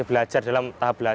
kan ac bisa merusak dada